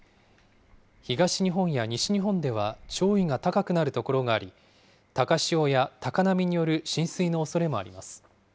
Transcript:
東日本や西日本では潮位が高くなる所があり、高潮や高波による浸水のおそれもあります。